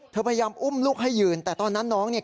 พยายามอุ้มลูกให้ยืนแต่ตอนนั้นน้องเนี่ย